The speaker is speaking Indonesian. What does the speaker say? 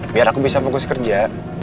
biar aku bisa fokus kerja